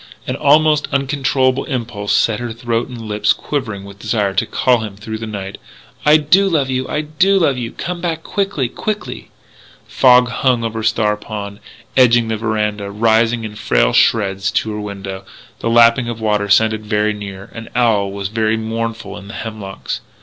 An almost uncontrollable impulse set her throat and lips quivering with desire to call to him through the night, "I do love you! I do love you! Come back quickly, quickly! " Fog hung over Star Pond, edging the veranda, rising in frail shreds to her window. The lapping of the water sounded very near. An owl was very mournful in the hemlocks.